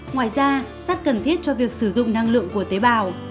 ngoài ra rất cần thiết cho việc sử dụng năng lượng của tế bào